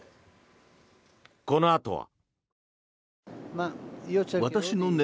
このあとは。